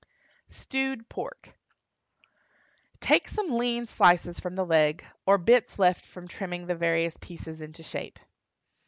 STEWED PORK. Take some lean slices from the leg, or bits left from trimming the various pieces into shape.